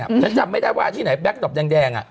ถ้าจำไม่ได้ว่าที่ไหนแบล็คต๊อบแดง